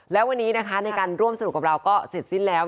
แล้ววันนี้นะคะในการร่วมสนุกกับเราก็เสร็จสิ้นแล้ว